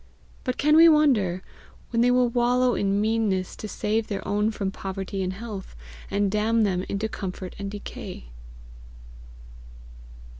But can we wonder, when they will wallow in meannesses to save their own from poverty and health, and damn them into comfort and decay.